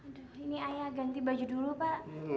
aduh ini ayah ganti baju dulu pak